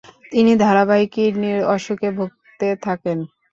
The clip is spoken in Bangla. তিনি ধারাবাহিক কিডনির অসুখে ভুগতে থাকেন।